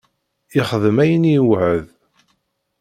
Yexdem ayen i iweεεed.